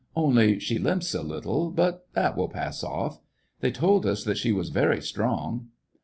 Only, she limps a little, but that will pass off. They told us that she was very strong."